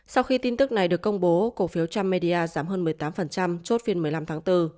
sau khi tin tức này được công bố cổ phiếu trump media giảm hơn một mươi tám chốt phiên một mươi năm tháng bốn